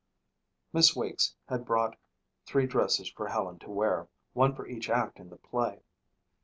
Miss Weeks had brought three dresses for Helen to wear, one for each act in the play.